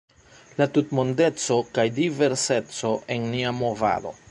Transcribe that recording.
La tutmondeco kaj diverseco en nia movado.